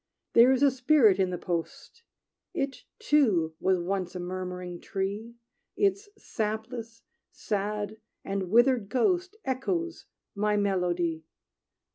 "There is a spirit in the post; It, too, was once a murmuring tree; Its sapless, sad, and withered ghost Echoes my melody.